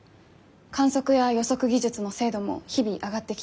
観測や予測技術の精度も日々上がってきています。